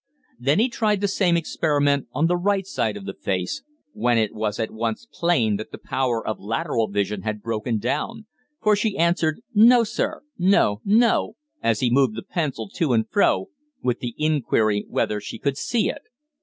Then he tried the same experiment on the right side of the face, when it was at once plain that the power of lateral vision had broken down for she answered, "No, sir. No, no," as he moved the pencil to and fro with the inquiry whether she could see it.